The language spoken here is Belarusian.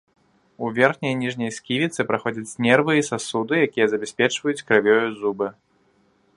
У верхняй і ніжняй сківіцы праходзяць нервы і сасуды, якія забяспечваюць крывёю зубы.